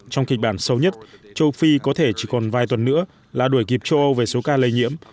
trong kịch bản sâu nhất châu phi có thể chỉ còn vài tuần nữa là đuổi kịp châu âu về số ca lây nhiễm